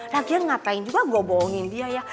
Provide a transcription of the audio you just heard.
lagian ngapain juga gue bohongin dia ya